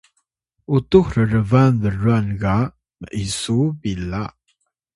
utux rrban brwan ga m’isu pila